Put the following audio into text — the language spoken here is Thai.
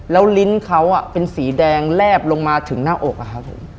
แล้วลิ้นเขาเป็นสีแดงแลบลงมาถึงหน้าอกอะครับผม